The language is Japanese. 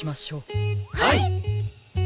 はい！